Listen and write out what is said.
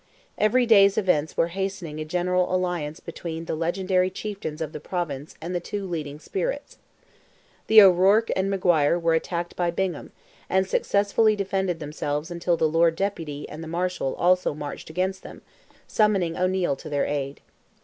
Every day's events were hastening a general alliance between the secondary chieftains of the Province and the two leading spirits. The O'Ruarc and Maguire were attacked by Bingham, and successfully defended themselves until the Lord Deputy and the Marshal also marched against them, summoning O'Neil to their aid.